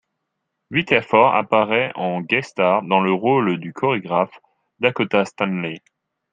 Whit Hertford apparaît en guest star dans le rôle du chorégraphe Dakota Stanley.